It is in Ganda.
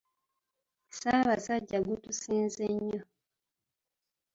Ssaabasajja gutusinze nnyo